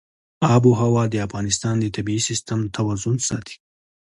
آب وهوا د افغانستان د طبعي سیسټم توازن ساتي.